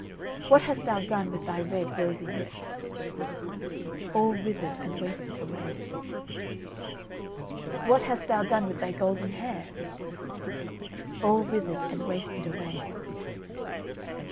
"What hast thou done with thy red rosy lips?" "All withered and wasted away." "What hast thou done with thy golden hair?" "All withered and wasted away."